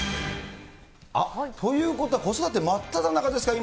ということは、子育て真っただ中ですか、今。